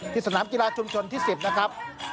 สนามกีฬาชุมชนที่๑๐นะครับ